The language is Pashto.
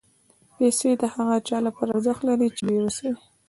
پېسې د هغه چا لپاره ارزښت لري چې بېوسه وي.